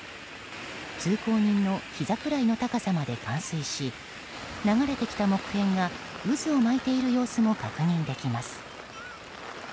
通行人のひざくらいの高さまで冠水し流れてきた木片が渦を巻いている様子も確認できます。